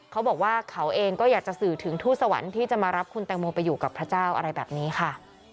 เขาบอกว่าเขาเองก็อยากจะสื่อถึงทู่สวรรค์ที่จะมารับคุณแตงโมไปอยู่กับพระเจ้าอะไรแบบนี้ค่ะ